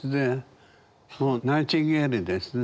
もうナイチンゲールですね。